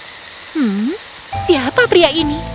hmm siapa pria ini